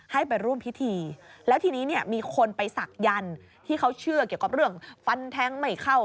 ให้ไปร่วมพิธีแล้วทีนี้เนี่ยมีคนไปศักดิ์ที่เขาเชื่อเกี่ยวกับเรื่องฟันแทงไม่เข้า